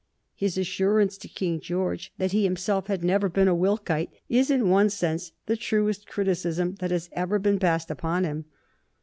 His assurance to King George that he himself had never been a Wilkite is in one sense the truest criticism that has ever been passed upon him.